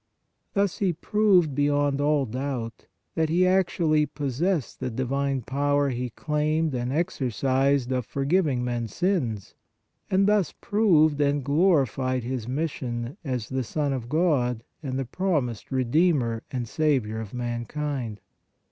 Thus He proved beyond all doubt that He actually pos sessed the divine power He claimed and exercised of forgiving men s sins, and thus proved and glori fied His mission as the Son of God and the prom ised Redeemer and Saviour of mankind.